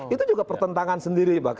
itu juga pertentangan sendiri